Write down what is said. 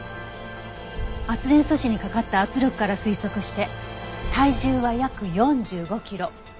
圧電素子にかかった圧力から推測して体重は約４５キロ。